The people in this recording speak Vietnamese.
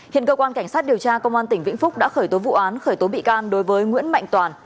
hiện cơ quan cảnh sát điều tra công an tỉnh vĩnh phúc đã khởi tố vụ án khởi tố bị can đối với nguyễn mạnh toàn